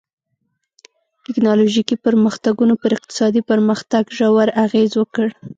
ټکنالوژیکي پرمختګونو پر اقتصادي پرمختګ ژور اغېز وکړ.